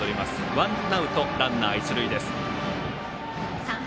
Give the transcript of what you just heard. ワンアウト、ランナー、一塁です。